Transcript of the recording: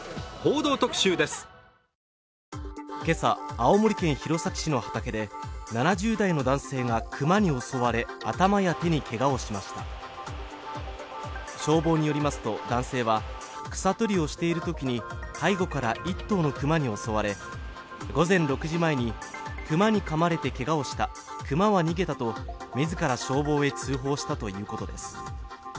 青森県弘前市の畑で７０代の男性がクマに襲われ頭や手にけがをしました消防によりますと男性は草取りをしている時に背後から１頭のクマに襲われ午前６時前に熊にかまれてけがをしたクマは逃げたと自ら消防へ通報したということです